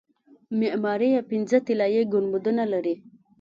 معماري یې پنځه طلایي ګنبدونه لري.